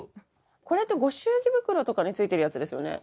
これってご祝儀袋とかについてるやつですよね